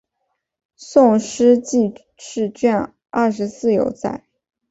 宋诗纪事卷二十四有载。